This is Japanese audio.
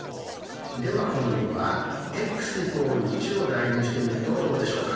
では今度はｘ＝１を代入してみるとどうでしょうか。